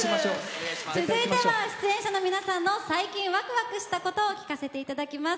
続いては出演者の皆さんの最近ワクワクしたことを聞かせていただきます。